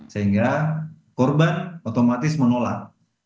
sehingga korban otomatis menolak